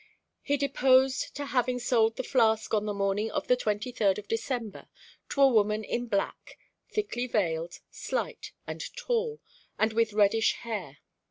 He deposed to having sold the flask on the morning of the twenty third of December, to a woman in black, thickly veiled, slight and tall, and with reddish hair.